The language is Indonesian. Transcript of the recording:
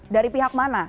dari pihak mana